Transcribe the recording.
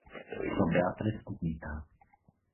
To Beatrice odmítá.